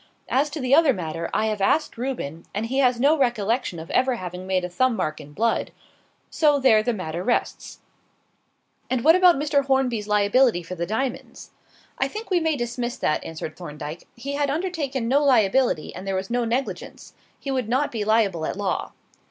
As to the other matter, I have asked Reuben, and he has no recollection of ever having made a thumb mark in blood. So there the matter rests." "And what about Mr. Hornby's liability for the diamonds?" "I think we may dismiss that," answered Thorndyke. "He had undertaken no liability and there was no negligence. He would not be liable at law."